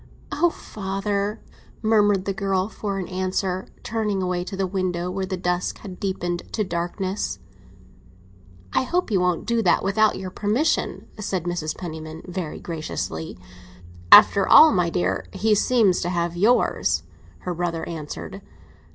"Oh, father," murmured the girl for all answer, turning away to the window, where the dusk had deepened to darkness. "I hope he won't do that without your permission," said Mrs. Penniman, very graciously. "After all, my dear, he seems to have yours," her brother answered.